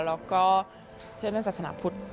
แล้วก็เชื่อด้านศาสนาพุทธ